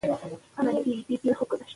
که وخت وي نو درس نه نیمګړی کیږي.